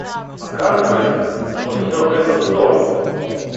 Оказывается, что все это вздор!